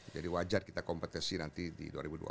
jadi wajar kita kompetisi nanti di dua ribu dua puluh empat